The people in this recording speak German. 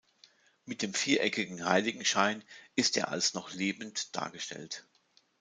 Mit dem viereckigen Heiligenschein ist er als noch lebend dargestellt.